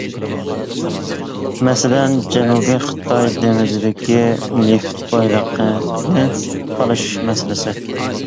مەسىلەن، جەنۇبىي خىتاي دېڭىزىدىكى نېفىت بايلىقىنى تالىشىش مەسىلىسى.